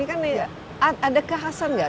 ada kekhasan nggak